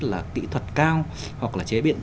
là kỹ thuật cao hoặc là chế biến